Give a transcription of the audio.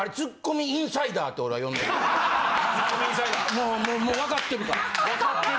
もうもうわかってるから。